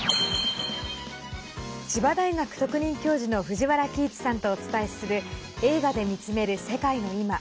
千葉大学特任教授の藤原帰一さんとお伝えする「映画で見つめる世界のいま」。